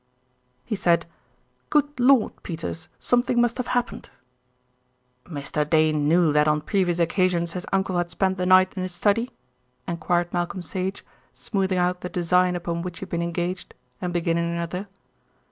"He said, 'Good Lord! Peters, something must have happened.'" "Mr. Dane knew that on previous occasions his uncle had spent the night in his study?" enquired Malcolm Sage, smoothing out the design upon which he had been engaged and beginning another.